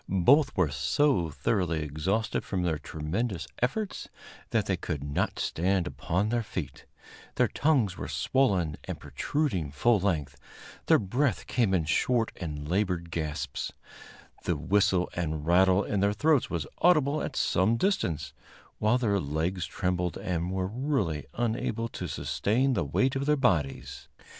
Both were so thoroughly exhausted from their tremendous efforts that they could not stand upon their feet; their tongues were swollen and protruding full length, their breath came in short and labored gasps, the whistle and rattle in their throats was audible at some distance, while their legs trembled and were really unable to sustain the weight of their bodies.